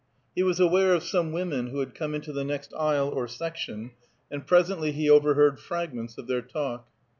He was aware of some women who had come into the next aisle or section, and presently he overheard fragments of their talk.